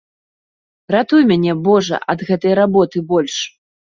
Ратуй мяне божа ад гэтай работы больш.